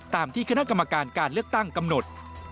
ตามที่คณะกรรมการการเลือกตั้งกำหนด